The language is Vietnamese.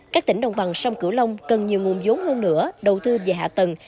các tỉnh đồng bằng sông cửu long cần nhiều nguồn giống hơn nữa đầu tư về hạ tầng